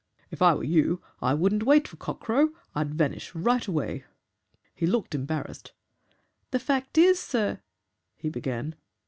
'If I were you I wouldn't wait for cock crow I'd vanish right away.' "He looked embarrassed. 'The fact IS, sir ' he began.